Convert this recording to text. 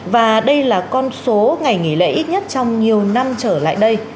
và đây là con số ngày nghỉ lễ ít nhất trong nhiều năm trở lại đây